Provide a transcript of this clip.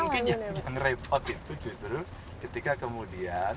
mungkin yang repot itu justru ketika kemudian